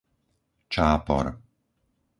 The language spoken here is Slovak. Čápor